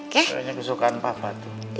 kayaknya kesukaan papa tuh